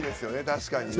確かにね。